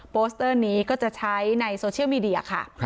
โสเตอร์นี้ก็จะใช้ในโซเชียลมีเดียค่ะ